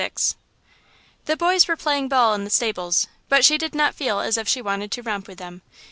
VI The boys were playing ball in the stables, but she did not feel as if she wanted to romp with them.